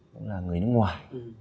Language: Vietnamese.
cũng là người nước ngoài